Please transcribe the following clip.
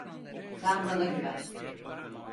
Sen bana güven.